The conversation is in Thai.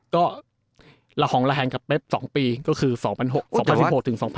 ก็ละห่องระแหงกับเป๊บ๒ปีก็คือ๒๐๖๐๑๖ถึง๒๐๑๖